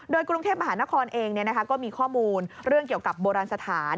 โดยกรุงเทพมหานครเองก็มีข้อมูลเรื่องเกี่ยวกับโบราณสถาน